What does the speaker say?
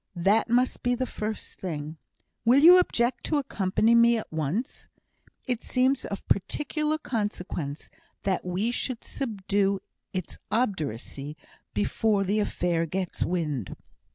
That must be the first thing. Will you object to accompany me at once? It seems of particular consequence that we should subdue his obduracy before the affair gets wind."